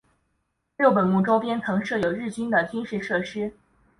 六本木周边曾设有日军的军事设施。